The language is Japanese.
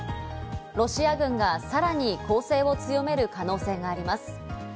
ロシア軍がさらに攻勢を強める可能性があります。